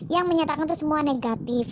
yang menyatakan itu semua negatif